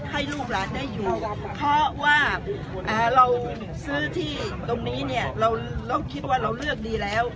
ให้ลูกหลานได้อยู่เพราะว่าเราซื้อที่ตรงนี้เนี่ยเราคิดว่าเราเลือกดีแล้ว